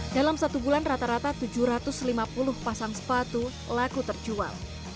dalam satu bulan rata rata tujuh ratus lima puluh pasang sepatu laku terjual